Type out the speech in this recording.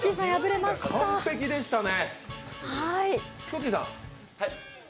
完璧でしたね。